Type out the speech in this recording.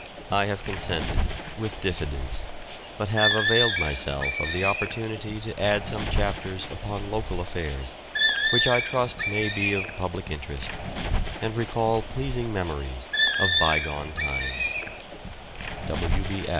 I have consented, with diffidence, but have availed myself of the opportunity to add some chapters upon local affairs, which I trust may be of public interest, and recall pleasing memories of bygone times.